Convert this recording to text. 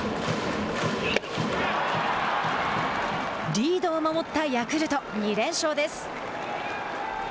リードを守ったヤクルト２連勝です。